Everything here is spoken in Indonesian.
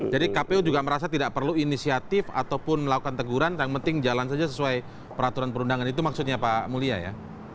jadi kpu juga merasa tidak perlu inisiatif ataupun melakukan teguran yang penting jalan saja sesuai peraturan perundangan itu maksudnya pak mulia ya